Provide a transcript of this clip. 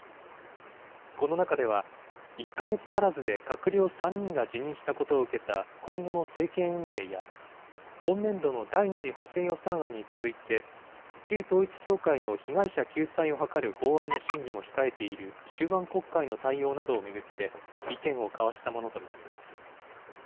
この中では、１か月足らずで閣僚３人が辞任したことを受けた今後の政権運営や、今年度の第２次補正予算案に続いて、旧統一教会の被害者救済を図る法案の審議も控えている終盤国会の対応なども巡って、意見を交わしたものと見られます。